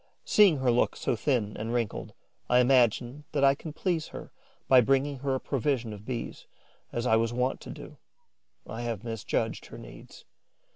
Seeing her look so thin and wrinkled, I imagine that I can please her by bringing her a provision of Bees, as I was wont to do. I have misjudged her needs.